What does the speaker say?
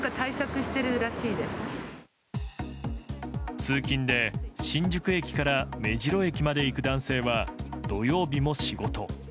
通勤で新宿駅から目白駅まで行く男性は土曜日も仕事。